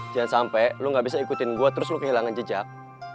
jangan sampe lu gabisa ikutin gua terus lu kehilangan jejak